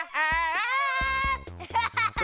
ハハハハ！